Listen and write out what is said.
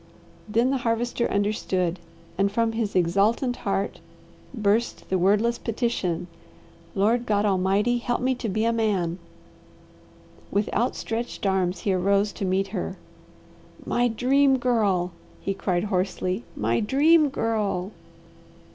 Then the Harvester understood, and from his exultant heart burst the wordless petition: "LORD GOD ALMIGHTY, HELP ME TO BE A MAN!" With outstretched arms he arose to meet her. "My Dream Girl!" he cried hoarsely. "My Dream Girl!"